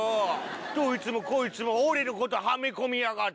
どいつもこいつも俺のことはめ込みやがって！